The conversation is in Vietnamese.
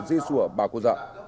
dây sùa bà cô dạ